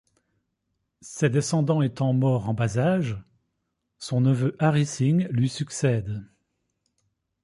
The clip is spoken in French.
Ses descendants étant morts en bas âge, son neveu Hari Singh lui succède.